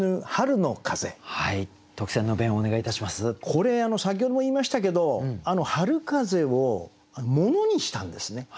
これ先ほども言いましたけど春風を物にしたんですね。